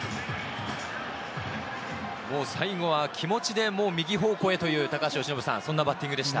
もう最後は気持ちで右方向へというそんなバッティングでした。